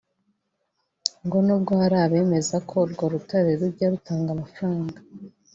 ngo nubwo hari abemeza ko urwo rutare rujya rutanga amafaranga